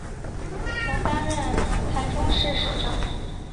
曾担任台中市市长。